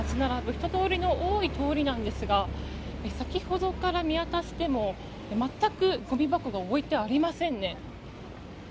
人通りの多い通りなんですが先ほどから見渡しても全くごみ箱が置いてありませんね。